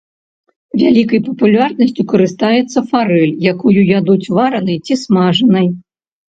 Вялікай папулярнасцю карыстаецца фарэль, якую ядуць варанай ці смажанай.